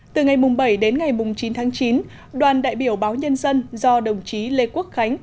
từ ngày bảy đến ngày chín tháng chín đoàn đại biểu báo nhân dân do đồng chí lê quốc khánh